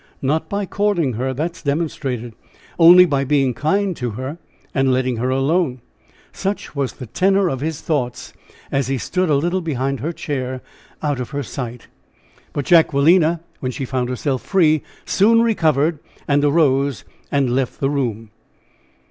Not by courting her; that's demonstrated. Only by being kind to her, and letting her alone." Such was the tenor of his thoughts as he stood a little behind her chair out of her sight. But Jacquelina, when she found herself free, soon recovered, and arose and left the room.